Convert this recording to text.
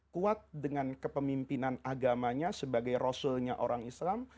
kuat dengan kepemimpinan agamanya sebagai rasulnya orang islam